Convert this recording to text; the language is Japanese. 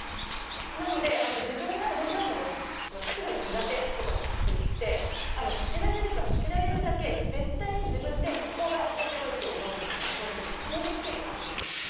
なので自分が面白いものは作るの苦手とかじゃなくって調べれば調べるだけ絶対に自分でここが面白いって思えるポイントにたどり着けるはずなんです。